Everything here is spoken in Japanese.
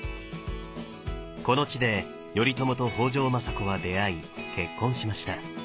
この地で頼朝と北条政子は出会い結婚しました。